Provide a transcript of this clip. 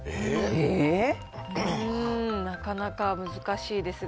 なかなか難しいですが。